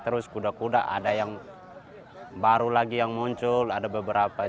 terus kuda kuda ada yang baru lagi yang muncul ada beberapa